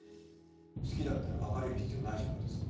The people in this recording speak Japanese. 好きだったら別れる必要ないじゃないですか。